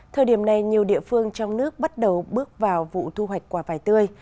thời điểm này nhiều địa phương trong nước bắt đầu bước vào vụ thu hoạch quả vải tươi